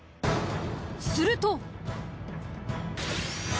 すると。